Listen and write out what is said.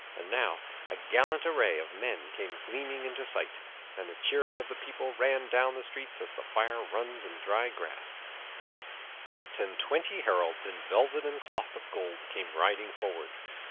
And now a gallant array of men came gleaming into sight, and the cheering of the people ran down the crowd as the fire runs in dry grass. Eight and twenty heralds in velvet and cloth of gold came riding forward.